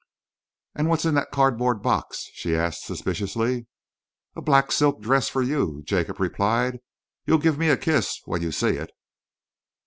"And what's in that cardboard box?" she asked suspiciously. "A black silk dress for you," Jacob replied. "You'll give me a kiss when you see it."